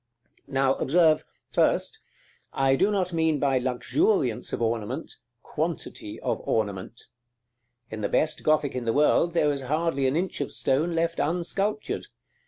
Now, observe, first, I do not mean by luxuriance of ornament, quantity of ornament. In the best Gothic in the world there is hardly an inch of stone left unsculptured.